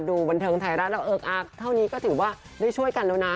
บันเทิงไทยรัฐแล้วเอิกอาร์เท่านี้ก็ถือว่าได้ช่วยกันแล้วนะ